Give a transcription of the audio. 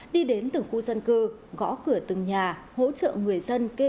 đi đến từng khu dân cư gõ cửa từng nhà hỗ trợ người dân